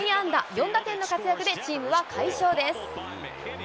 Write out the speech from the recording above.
４打点の活躍でチームは快勝です。